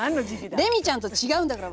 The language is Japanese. レミちゃんと違うんだから。